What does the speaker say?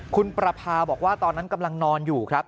คุณประพาบอกว่าตอนนั้นกำลังนอนอยู่ครับ